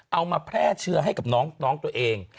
เอามาแพร่เชื้อให้กับน้องตัวเอง